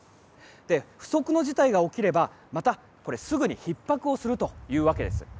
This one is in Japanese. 不測の事態が起きればまたひっ迫をするということです。